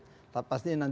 pasti nanti akan dilakukan